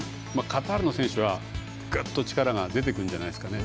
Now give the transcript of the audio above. カタールの選手はグッと力が出てくるんじゃないですかね。